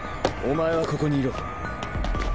お前はここにいろ。